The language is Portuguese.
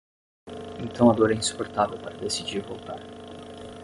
Então a dor é insuportável para decidir voltar